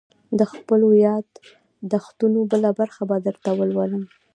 _د خپلو ياد دښتونو بله برخه به درته ولولم.